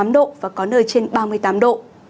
ba mươi sáu ba mươi tám độ và có nơi trên ba mươi tám độ